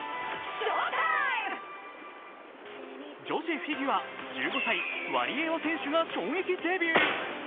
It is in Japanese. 女子フィギュア、１５歳、ワリエワ選手が衝撃デビュー。